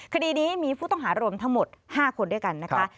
คดีนี้มีผู้ต้องหารวมทั้งหมด๕คนด้วยกันนะคะ